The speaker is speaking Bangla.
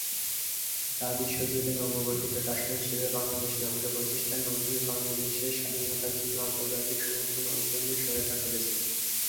যা বিশ্বজুড়ে নবগঠিত রাষ্ট্র হিসেবে বাংলাদেশ নামকে প্রতিষ্ঠার মাধ্যমে বাংলাদেশের স্বাধীনতার জন্য আন্তর্জাতিক সমর্থন অর্জনে সহায়তা করেছিল।